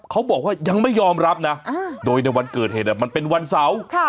เขาบอกว่ายังไม่ยอมรับนะโดยในวันเกิดเหตุมันเป็นวันเสาร์